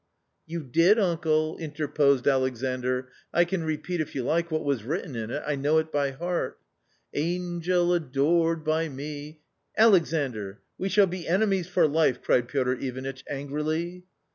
" You did, uncle !" interposed Alexandr, " I can repeat, if you like, what was written in it ; I know it by heart :" Angel, adored by me "" Alexandr ! we shall be enemies for life 1 " cried Piotr Ivanitch angrily.